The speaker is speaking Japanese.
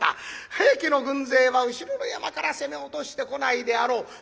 平家の軍勢は後ろの山から攻め落としてこないであろう。